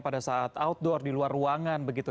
pada saat outdoor di luar ruangan begitu